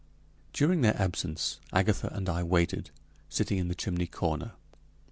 During their absence Agatha and I waited, sitting in the chimney corner.